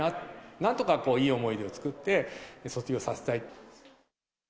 なんとかいい思い出を作って、卒業させたい。